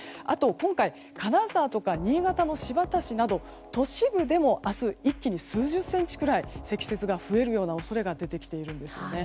今回、金沢や新潟の新発田市など都市部でも明日、一気に数十センチくらい積雪が増えるような恐れが出てきているんですよね。